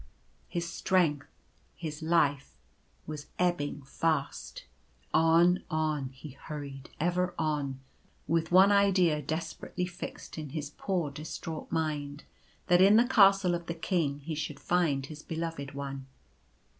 His strength — his life — was ebbing fast. On, on, he hurried, ever on, with one idea desperately fixed in his poor distraught mind — that in the Castle of the King he should find his Beloved One.